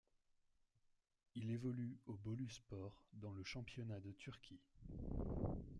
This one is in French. Il évolue au Boluspor, dans le championnat de Turquie.